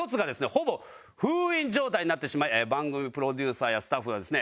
ほぼ封印状態になってしまい番組プロデューサーやスタッフはですね